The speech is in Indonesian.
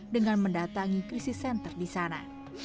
dengan mendatangi krisis center di sana